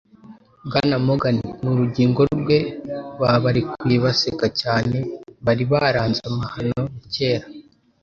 Bwana Morgan n'urugingo rwe babarekuye baseka cyane, bari baranze amahano ya kera